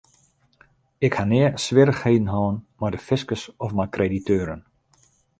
Ik ha nea swierrichheden hân mei de fiskus of mei krediteuren.